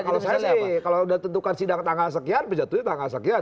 kalau saya sih kalau sudah tentukan sidang tanggal sekian menjatuhnya tanggal sekian